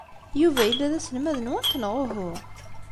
Yuba yella d aselmad-nwent, neɣ uhu?